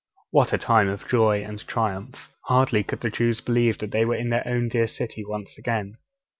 What a time of joy and triumph! Hardly could the Jews believe that they were in their own dear city once again.